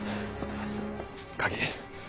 鍵。